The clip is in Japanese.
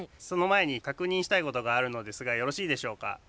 その前に確認したいことがあるのですがよろしいでしょうか？